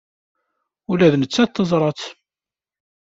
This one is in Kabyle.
Ula d nettat teẓra-tt.